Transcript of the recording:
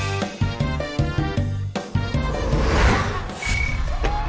สิ่งที่กำลังมีชีวิต